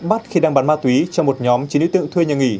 bắt khi đang bán ma túy cho một nhóm chín đối tượng thuê nhà nghỉ